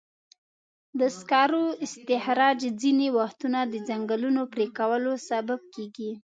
د سکرو استخراج ځینې وختونه د ځنګلونو پرېکولو سبب کېږي.